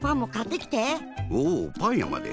おおパンやまで！